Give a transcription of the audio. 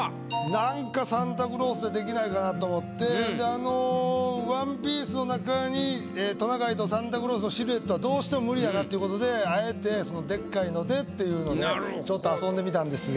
なんかサンタクロースでできないかなと思ってであの１ピースの中にトナカイとサンタクロースのシルエットはどうしても無理やなっていう事であえてでっかいのでっていうのでちょっと遊んでみたんですが。